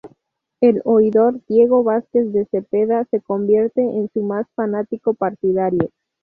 El oidor Diego Vásquez de Cepeda se convierte en su más fanático partidario.